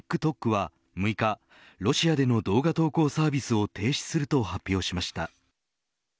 ＴｉｋＴｏｋは６日ロシアでの動画投稿サービスを停止すると発表しました。